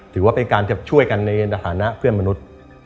ถือว่าเป็นการจะช่วยกันในฐานะเพื่อนมนุษย์